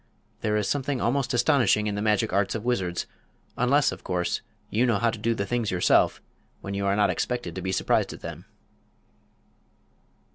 There is something almost astonishing in the magic arts of wizards; unless, of course, you know how to do the things yourself, when you are not expected to be surprised at them.